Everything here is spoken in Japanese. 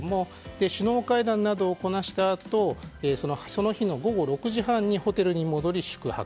首脳会談などをこなしたあとその日の午後６時半にホテルに戻り宿泊。